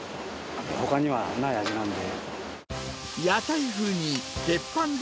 ほかにはない味なんで。